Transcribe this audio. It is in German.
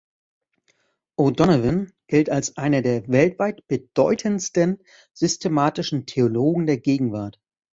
O’Donovan gilt als einer der weltweit bedeutendsten systematischen Theologen der Gegenwart.